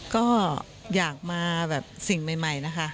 ก็อยากมาแบบสิ่งใหม่นะคะ